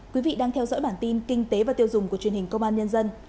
quý vị đang theo dõi bản tin kinh tế và tiêu dùng của truyền hình công an nhân dân